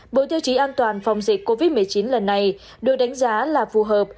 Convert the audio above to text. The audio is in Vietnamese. bộ tiêu chí an toàn phòng dịch covid một mươi chín lần này được đánh giá là phù hợp